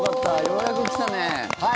ようやく来たね。